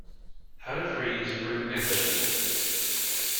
How to freeze fruit and vegetables.